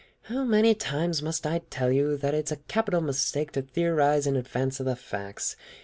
"How many times must I tell you that it is a capital mistake to theorize in advance of the facts!